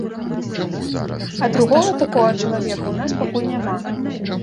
А другога такога чалавека ў нас пакуль няма.